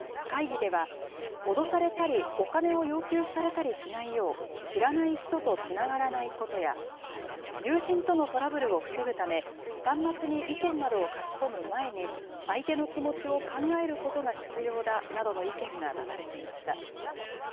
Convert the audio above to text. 会議では、脅されたり、お金を要求されたりしないよう、知らない人とつながらないことや、友人とのトラブルを防ぐため、端末に意見などを書き込む前に、相手の気持ちを考えることが必要だなどの意見が出されていました。